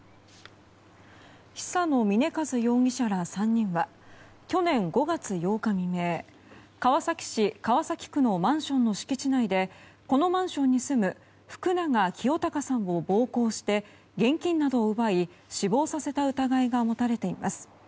久野峰一容疑者ら３人は去年５月８日未明川崎市川崎区のマンションの敷地内でこのマンションに住む福永清貴さんを暴行して現金などを奪い死亡させた疑いが持たれています。